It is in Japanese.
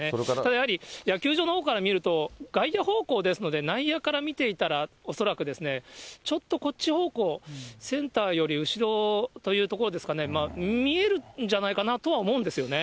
やはり、野球場のほうから見ると、外野方向ですので、内野から見ていたら恐らく、ちょっとこっち方向、センターより後ろというところですかね、見えるんじゃないかなとは思うんですよね。